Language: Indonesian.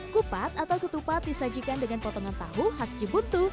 kupat atau ketupat disajikan dengan potongan tahu khas jebuntu